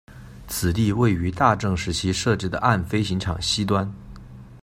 此地位于大正时期设置的岸飞行场西端。